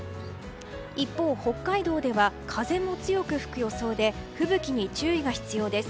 一方、北海道では風も強く吹く予想で吹雪に注意が必要です。